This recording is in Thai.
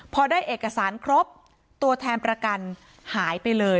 พอได้เอกสารครบตัวแทนประกันหายไปเลย